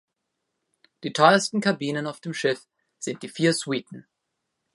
Die teuersten Kabinen auf dem Schiff sind die vier Suiten.